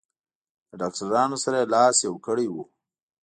له ډاکټرانو سره یې لاس یو کړی و.